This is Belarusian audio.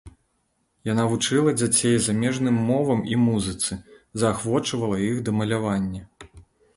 Яна вучыла дзяцей замежным мовам і музыцы, заахвочвала іх да малявання.